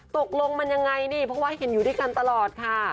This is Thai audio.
ตกลงมันยังไงนี่เพราะว่าเห็นอยู่ด้วยกันตลอดค่ะ